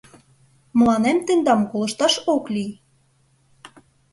— Мыланем тендам колышташ ок лий!